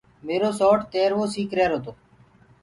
ميرو سيوٽ تِروو سيٚڪ رهيرو تو۔